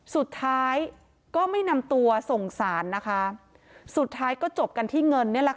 สุดท้ายก็ไม่นำตัวส่งสารนะคะสุดท้ายก็จบกันที่เงินเนี่ยแหละค่ะ